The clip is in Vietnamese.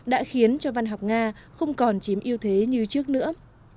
đã khiến cho văn học nga không còn chím ưu thế như trước nữa